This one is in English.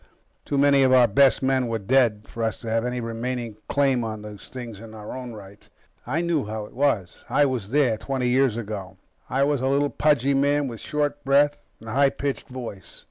Too many of our best men were dead for us to have any remaining claim on these things in our own right. I know how it was. I was there, twenty years ago. I was a little, pudgy man with short breath and a high pitched voice.